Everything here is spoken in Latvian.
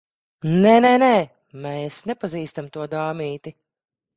Nē, nē, nē. Mēs nepazīstam to dāmīti.